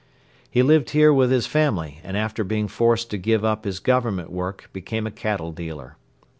He lived here with his family and after being forced to give up his government work became a cattle dealer.